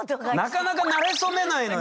なかなかなれそめないのよ！